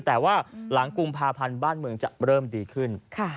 แต่ว่าหลังกุมภาพันธ์บ้านเมืองจะเริ่มดีขึ้น